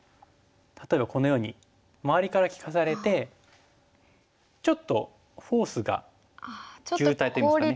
例えばこのように周りから利かされてちょっとフォースが渋滞っていいますか。